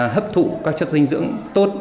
hấp thụ các chất dinh dưỡng tốt